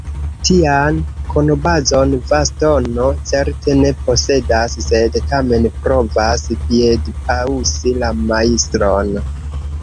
Tian konobazon Vatsono certe ne posedas, sed tamen provas piedpaŭsi la Majstron.